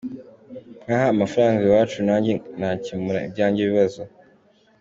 Nkaha amafranga iwacu nanjye nkakemura ibyange bibazo.